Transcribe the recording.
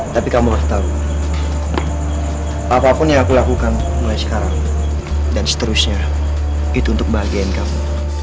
tapi kamu harus tahu apapun yang aku lakukan mulai sekarang dan seterusnya itu untuk bahagiain kamu